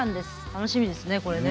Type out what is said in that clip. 楽しみですね、これ。